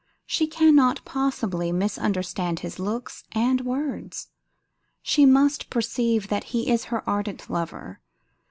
She cannot possibly misunderstand his looks and words, she must perceive that he is her ardent lover.